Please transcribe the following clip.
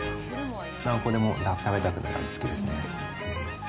何個でも食べたくなる味付けですね。